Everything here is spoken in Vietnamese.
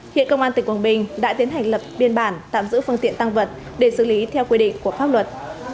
hiện công an tỉnh quảng bình đã tiến hành lập biên bản tạm giữ phương tiện tăng vật để xử lý theo quy định của pháp luật